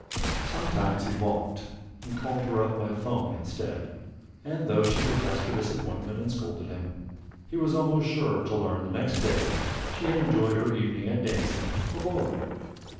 Sometimes he balked and called her up by 'phone instead, and though she professed her disappointment and scolded him, he was almost sure to learn the next day she had enjoyed her evening at dancing or bowling.